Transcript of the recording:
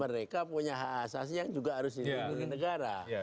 mereka punya hak asasi yang juga harus dilindungi negara